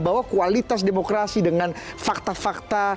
bahwa kualitas demokrasi dengan fakta fakta